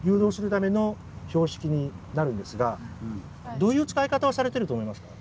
どういう使い方をされてると思いますか？